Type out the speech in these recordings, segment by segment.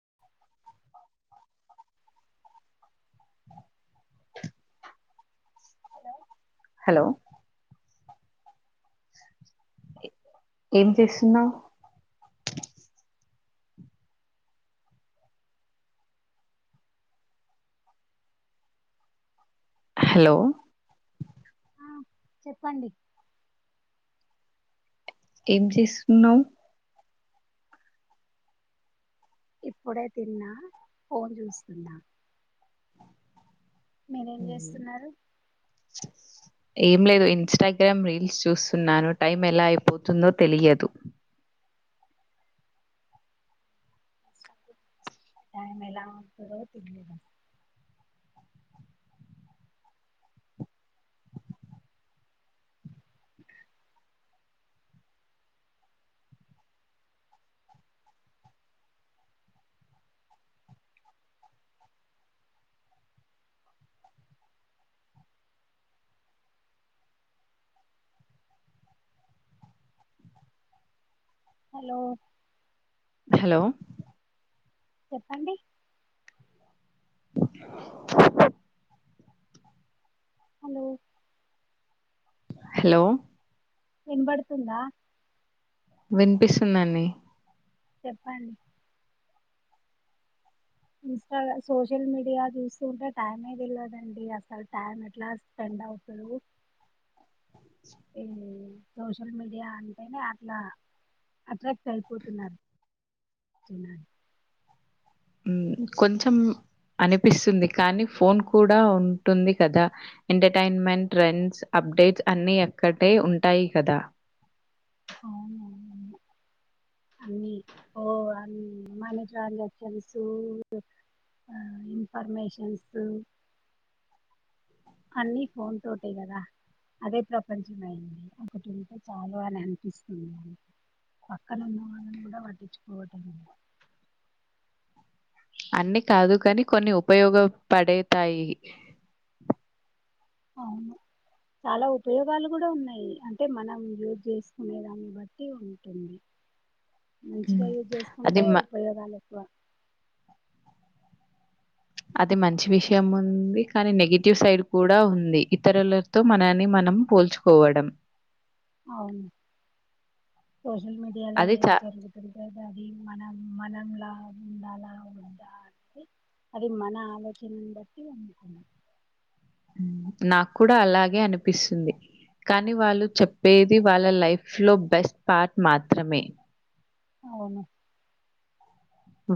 [inaudible] [inaudible] Hello hello ఏం చేస్తున్నావ్? Hello ఆ చెప్పండి. ఏం చేస్తున్నావ్? ఇప్పుడే తిన్నా ఫోన్ జూస్తున్నా మీరేం జేస్తున్నారు? ఏం లేదు ఇన్స్టాగ్రామ్ రీల్స్ చూస్తున్నాను. టైమ్ ఎలా అయిపోతుందో తెలియదు. టై ఎలా అవుతదో తెలియదం హలో హలో చెప్పండి [unintelligible] హలో హలో వినబడుతుందా? వినిపిస్తుందండి. చెప్పండి. ఇన్స్టా సోషల్ మీడియా జూస్తంటే టైమే దెలవదండి అసలు టైం ఎట్లా స్పెండ్ నవ్వుతరు [inaudible] ఈ సోషల్ మీడియా అంటేనే అట్లా అట్రాక్ట్ అయిపోతున్నారు జనాలు ఉమ్ కొంచం అనిపిస్తుంది కానీ ఫోన్ కూడా ఉంటుంది కదా ఎంటర్టైన్మెంట్ ట్రెండ్ అప్ డేట్స్ అన్ని అక్కడే ఉంటాయి కదా అవునవును అన్ని ఓ అ మనీ ట్రాన్సాక్షన్స్ ఆ ఇన్ఫర్మేషన్స్ [inaudible] అన్నీ ఫోన్ తోటే గదా అదే ప్రపంచం అయింది. ఒకటి ఉంటే చాలు అని అనిపిస్తుందండి. పక్కన ఉన్న వాళ్ళను గూడా పట్టించ్చు కోవటంలే [inaudible] అన్ని కాదు కాని కొన్ని ఉపయోగ పడేతాయి. అవును చాలా ఉపయోగాలు గూడా ఉన్నాయి. అంటే మనం యూజ్ చేసుకునే దాన్ని బట్టి ఉంటుంది. [inaudible] మంచిగా యూజ్ అది జేసుకుంటే మ ఉపయోగాలు ఎక్కువ అది మంచి విషయం ఉంది. కానీ నెగిటివ్ సైడ్ కూడా ఉంది ఇతరులతో మనని మనం పోల్చుకోవడం [inaudible] అవును సోషల్ మీడియాలో అది చ ఏం జరుగుతుంది అది మనం మనంలా ఉండాలా వద్దా అనేది అది మన ఆలోచనను బట్టి ఉంటుంది నాకు కూడా అలాగే అనిపిస్తుంది కానీ వాళ్ళు చెప్పేది వాళ్ళ లైఫ్ లో బెస్ట్ పార్ట్ మాత్రమే అవును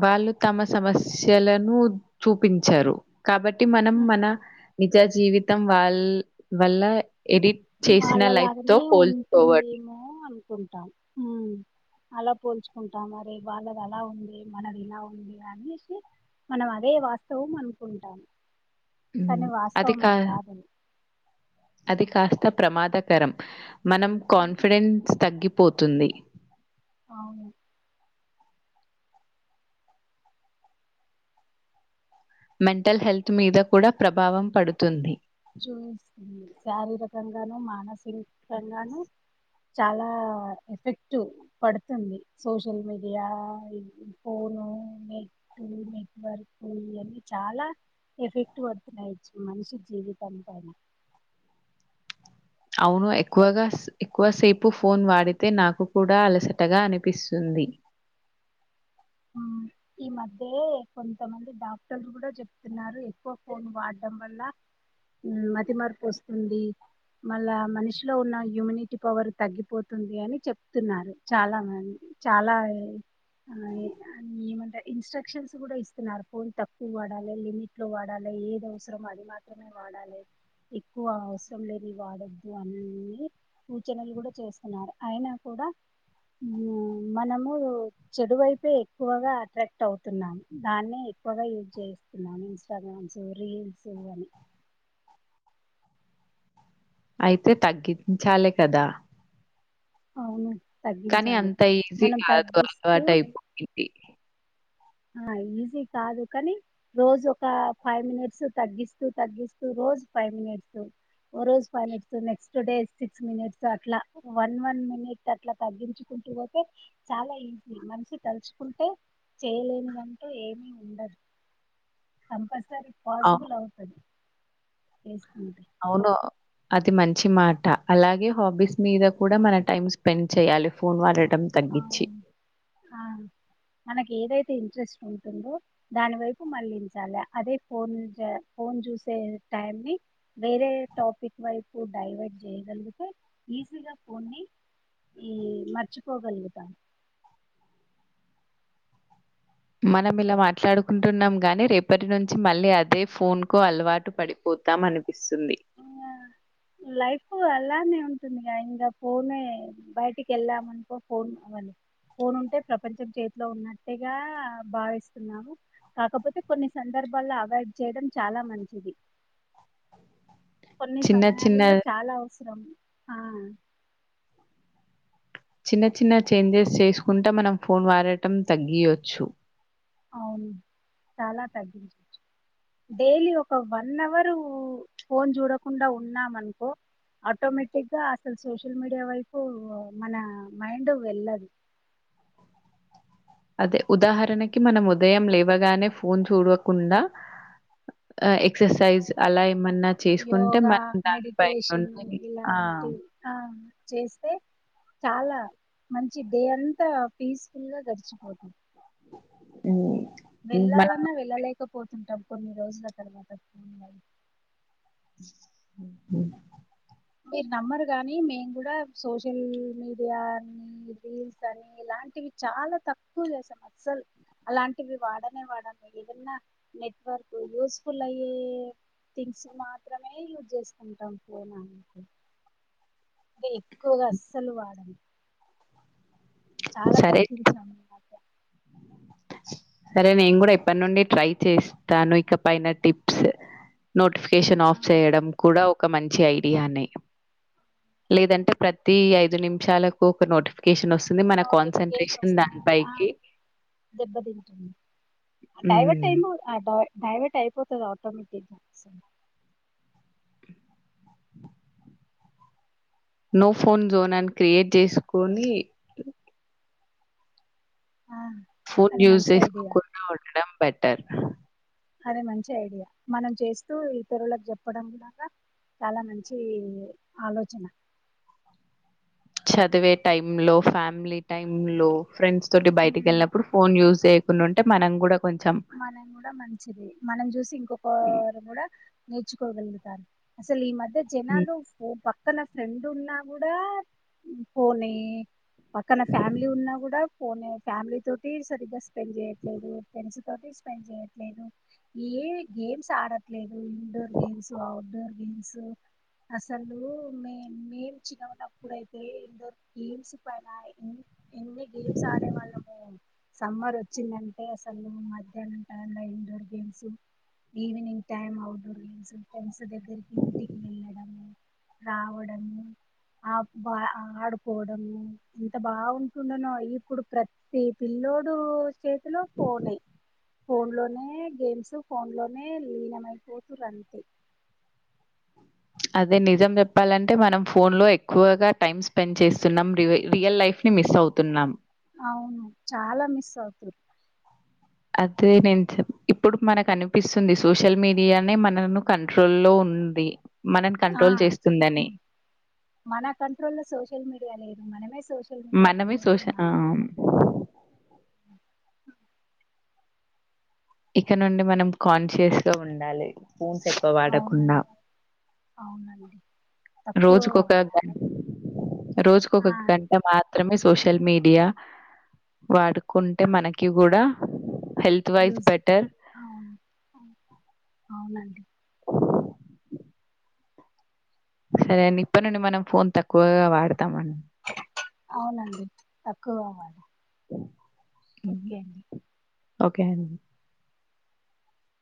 వాళ్ళు తమ సమస్యలను చూపించారు కాబట్టి మనం మన నిజ జీవితం వాళ్ల్ వల్ల ఎడిట్ చేసిన లైఫ్‌తో వాళ్ళలాగనే పోల్చుకోవడం. ఉంటుందేమో అనుకుంటాం అలా పోల్చుకుంటాం మరి వాళ్ళది అలా ఉంది మనది ఇలా ఉంది అనేసి మనం అదే వాస్తవం అనుకుంటాము అదిి కా అది కాస్త ప్రమాదకరం మనం కాన్ఫిడెన్స్ తగ్గిపోతుంది అవును మెంటల్ హెల్త్ మీద కూడా ప్రభావం పడుతుంది ఇంతగాను చాలా ఎఫెక్ట్ పడుతుంది సోషల్ మీడియా ఫోన్ ఊ నెట్ నెట్వర్క్ ఇవన్నీ చాలా ఎఫెక్ట్ పడుతున్నాయి మనిషి జీవితం పైన అవును ఎక్కువగా ఎక్కువసేపు ఫోన్ వాడితే నాకు కూడా అలసటగా అనిపిస్తుంది ఉమ్, ఈ మధ్య కొంతమంది డాక్టర్లు కూడా చెప్తున్నారు ఎక్కువ ఫోన్ వాడడం వల్ల మతిమరుపు వస్తుంది మళ్ళ మనిషిలో ఉన్న ఇమ్మ్యూనిటి పవర్ తగ్గిపోతుంది అని చెప్తున్నారు చాలా మంది చాలా ఆ ఇ ఇన్స్ట్రక్షన్స్ కూడా ఇస్తున్నారు ఫోన్ తక్కువ వాడాలే లిమిట్ లో వాడాలే ఏది అవసరం అది మాత్రమే వాడలే ఎక్కువ అవసరం లేని వాడొద్దు అన్ని సూచనలు కూడా చేస్తున్నారు అయినా కూ డా మనము చెడువైపే ఎక్కువగా అట్రాక్ట్ అవుతున్నాము దాన్ని ఎక్కువగా యూజ్ చేస్తున్నాము ఇన్స్టాగ్రామ్స్ రీల్స్ అని అయితే తగ్గించాలి కదా అవును కానీ తగ్గించాలి అంత ఈజీ మనం కాదు తగ్గిస్తూ అలవాటయిపోయింది. ఆ ఈజీ కాదు కానీ రోజు ఒక ఫైవ్ మినిట్స్ తగ్గిస్తూ తగ్గిస్తూ రోజు ఫైవ్ మినిట్స్ ఓ రోజు five minute next day six minutes అట్లా వన్ వన్ మినిట్ అట్లా తగ్గించుకు పోతే చాలా ఈజీ మనిషి తలుచుకుంటే చేయలేనిదంటూ ఏమీ ఉండదు కంపల్సరీ అవ్ పాసిబుల్ అవుతది [unintelligible] అవును అది మంచి మాట అలాగే హాబీస్ మీద కూడా మన టైం స్పెండ్ చేయాలి ఫోన్ వాల ఆవు ఆ మనకి ఏదైతే ఇంట్రెస్ట్ ఉంటుందో దాని వైపు మళ్ళించాలి అదే ఫోన్ ఫోన్ చూసే టై వేరే టాపిక్ వైపు డైవర్ట్ చేయగలిగితే ఈజీగా ఫోన్ ని ఉమ్ మరచిపోగలుగుత మనం ఇలా మాట్లాడుకుంటున్నాం గాని రేపటి నుంచి మళ్ళీ అదే ఫోన్ కు అలవాటు పడిపో [unintelligible] ఆ లైఫ అలానేే ఇంగ ఇంగ ఫోనే బయటికి వెళ్ళాం అనుకో ఫోన్ అవని ఫోన్ ఉంటే ప్రపంచం చేతిలో ఉన్నట్టుగా భావిస్తున్నాము కాకపోతే కొన్ని సందర్భ [unintelligible] ల అవాయిడ్ చేయడం చాలా మంచిది కొన్ని చిన్న చిన్న సమయాలలో చాలా అవసరం ఆ చిన్న చిన్న చేంజెస్ చేసుకుంటా మనం ఫోన్ వాడటం తగ్గియచ్చు తగించచ్చు డైలీ ఒక వన్ అవరు ఫోన్ చూడకుండా ఉన్నాం అనుకో ఆటోమేటిక్గా అసలు సోషల్ మీడియా వైపు మన మైండ్ వెళ్ళదు అదే ఉదాహరణకి మనం ఉదయం లేవగానే ఫోన్ చూడకుండా ఆ, ఎక్సర్సైజ్ అలా ఏమన్నా చేసుకుంటే యోగా మనం దానిపైన మెడిటేషన్ ఉన్నవి ఆ ఇలాంటి ఆ చేస్తే చాలా మంచి డే అంతా పీస్ఫుల్ గా గడిచిపోతుం హ్మ్ మనం వెళ్ళాలన్నా వెళ్ళలేకపోతుంటాం కొన్ని రోజుల తర్వాత హ్మ్ మీరు నమ్మరు గాని మేము కూడా సోషల్ మీడియాని రీల్స్ అని ఇలాం టివి చాలా తక్కువ చేసాం అసల్ అలాంటివి వాడనే వాడాను ఏదన్నా నెట్వర్క్ యూస్ఫుల్ అయ్యే థింగ్స్ మాత్రమే యూజ్ చేసుకుంటాం ఫోనా తే ఎక్కువగా అసల్ వాడం చాలా సరే తగ్గించాము ఈ మధ్య సరే నేను కూడా ఇప్పటి నుండి ట్రై చేస్తాను ఇక పైన టిప్స్ నో టిఫికేషన్ ఆ ఆఫ్ చేయడం కూడా ఒక మంచి ఐడియానే లేదంటే ప్రతి ఐదు నిమిషాలకు ఒక నోటిఫికేషన్ వస్ తుంది మన నోటిఫికేషన్ కాన్సంట్రేషన్ దాని పైకి దెబ్బతింటుం ఆ డైవర్ట్ హ్మ్ ఏమో అ డ [unintelligible] డైవర్ట్ అయిపోతుంది ఆటోమటిగా నో ఫోన్ జోన్ అని క్రియేట్ చేసుకొని ఆ ఫోన్ అది యూజ్ మంచి ఐడియా చేసుకోకుండా ఉండడం బెటర్ అదే మంచి ఐడియా మనం చేస్తూ ఇతరులకు చెప్పడం లాగా చాలా మంచి ఆలోచన చదివే టైం లో ఫ్యామిలీ టైం లో ఫ్రెండ్స్ తోటి బయటకి ఉమ్, వెళ్ళినప్పుడు ఫోన్ యూజ్ చేయకుండా ఉంటే మనం కూడా కొంచెం మనం కూడా మంచిది మనం చూసి ఇంకొకరు కూడా నేర్చుకోగలుగుతారు అసలు ఈ మధ్య మ్, జనాలు ఫో పక్కన ఫ్రెండ్ ఉన్న కూడా ఫోనే పక్కన ఫ్యామిలీ ఉన్నా కూడా ఫోనే ఫ్యామిలీ తోటి సరిగ్గా స్పెండ్ చేయట్లేదు ఫ్రెండ్స్ తోటి స్పెండ్ చేయట్లేదు ఏ గేమ్స్ ఆడ లేదు ఇండోర్ గేమ్స్ అఔట్డోర్ గేమ్స్ అసలు మే మేము చిన్నగ ఉన్నప్పుడు అయితే ఇండోర్ గేమ్స్ పైన ఎన్ని గేమ్స్ ఆడే వాళ్ళము సమ్మర్ వచ్చిందంటే అసలు మ మధ్యానం టైం లా indoor games evening time outdoor games friends దగ్గరికి ఇంటికి వెళ్ళడము రావడము ఆ బా ఆడుకోవడము ఎంత బాగుంటుండనో ఇప్పుడు ప్రతి పిల్ల లోడు చేతిలో ఫోనే ఫోన్ లోనే గేమ్స్ ఫోన్ లోనే లీనమైపోతూరంతే అదే నిజం చెప్పాలంటే మనం ఫోన్ లో ఎక్కువగా టైం స్పెండ్ చేస్తున్నాం రి రియల్ లైఫ్ మిస్ అవుతున్నాం అవును చాలా మిస్ అవుతుర్ అదే నేను చె ఇప్పుడు మనకు అనిపిస్తుంది సోషల్ మీడియానే మనను కంట్రో లో ఉ ఉంది మనని ఆ కంట్రోల్ చేస్తుందని మన కంట్రోల్లో సోషల్ మీడియా లేదు మనమే సోషల్ మీడియా మనమే కంట్రోల్ ఉన్నాం. సోషల్ ఇకనుండి మనం కాన్షియస్ గా ఉండాలి. ఫోన్స్ ఎక్కువ వాడకుండా. అవునండి అవునండి తక్కువ రోజుకొక గంట వాడాలి ఆ రోజుకొక గంట మాత్ త్రమే సోషల్ మీడియా వాడుకుంటే ఆ, మనకి కూడా యూజ్ అవును అవునండి సరే అండి ఇప్పటి నుండి మనం ఫోన్ తక్కువగా వాడతామండి. అవునండి తక్కువ వాడాలి. హ్మ్. ఓకే అండి ఓకే అండి